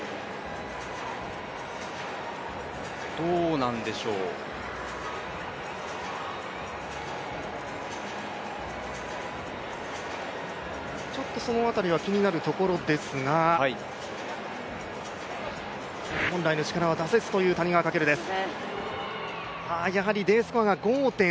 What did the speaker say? どうなんでしょうちょっとその辺りは気になるところですが、本来の力は出せずという谷川翔です。